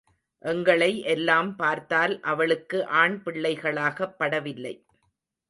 எங்களை எல்லாம் பார்த்தால் அவளுக்கு ஆண்பிள்ளைகளாகப் படவில்லை.